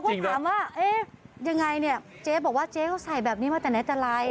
เขาก็ถามว่าเอ๊ยยังไงเนี้ยเจ๊บอกว่าเจ๊เขาใส่แบบนี้มาแต่ในตลาย